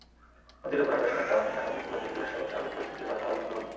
নদীর ওপর আগ্রাসনের কারণে আগামী দিনগুলোতে পরিবেশসহ সার্বিক পরিস্থিতির ভয়াবহ অবনতি ঘটবে।